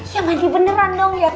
ya mandi beneran dong